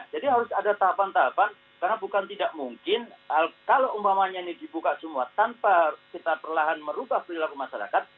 jadi harus ada tahapan tahapan karena bukan tidak mungkin kalau umpamanya ini dibuka semua tanpa kita perlahan merubah perilaku masyarakat